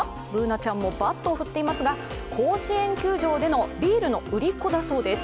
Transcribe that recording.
Ｂｏｏｎａちゃんもバットを振っていますが、甲子園球場でのビールの売り子だそうです。